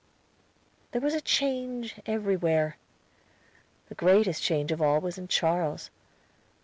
There was a change everywhere. The greatest change of all was in Charles.